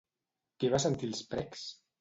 Qui va sentir els precs?